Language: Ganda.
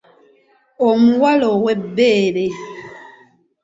Omuwala ow'ebbeere.